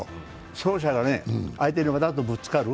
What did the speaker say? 走者が相手にわざとぶつかる。